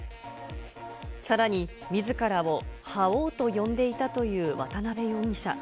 さらに、みずからを覇王と呼んでいたという渡辺容疑者。